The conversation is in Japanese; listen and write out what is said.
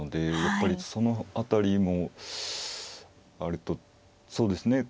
やっぱりその辺りもあるとそうですね。